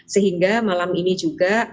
sehingga malam ini juga